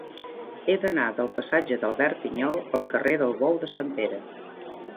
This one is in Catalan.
He d'anar del passatge d'Albert Pinyol al carrer del Bou de Sant Pere.